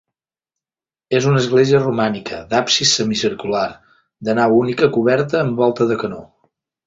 És una església romànica d'absis semicircular, de nau única coberta amb volta de canó.